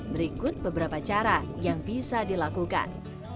berikut beberapa cara yang bisa dilakukan